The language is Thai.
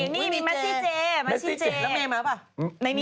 นี่มีแมทซี่เจ๊แล้วเมย์มาป่ะ